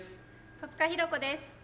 戸塚寛子です。